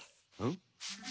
ん？